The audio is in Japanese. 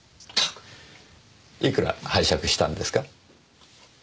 いくら拝借したんですか？